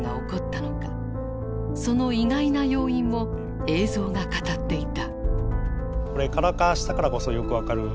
その意外な要因も映像が語っていた。